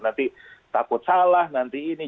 nanti takut salah nanti ini